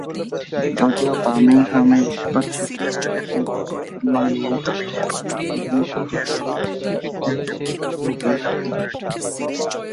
যদিও বার্মিংহামে ইস্পাত শিল্পের আগের মতো প্রাধান্য আর নেই, তবে ইস্পাত উৎপাদন ও প্রক্রিয়াকরণ অর্থনীতিতে গুরুত্বপূর্ণ ভূমিকা পালন করে চলেছে।